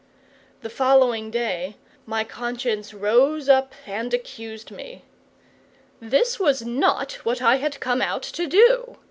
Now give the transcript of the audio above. The following day my conscience rose up and accused me. This was not what I had come out to do.